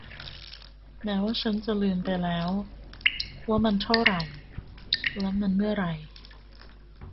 แม้ว่าฉันจะลืมไปแล้วว่ามันเท่าไหร่ และมันเมื่อไหร่